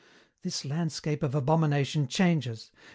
This landscape of abomination changes.